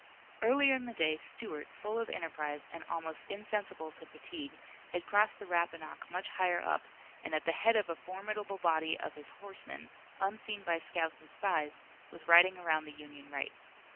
Earlier in the day Stuart, full of enterprise, and almost insensible to fatigue, had crossed the Rappahannock much higher up and at the head of a formidable body of his horsemen, unseen by scouts and spies, was riding around the Union right.